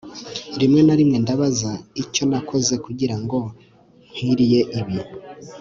rimwe na rimwe ndabaza icyo nakoze kugirango nkwiriye ibi